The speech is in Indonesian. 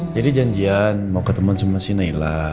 jadi janjian mau ketemu sama si naila